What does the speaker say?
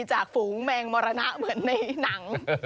ฝูงแมงมรณะเหมือนในหนัง